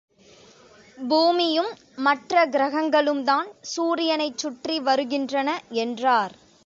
பூமியும் மற்ற கிரகங்களும் தான் சூரியனைச் சுற்றி வருகின்றன என்றார்.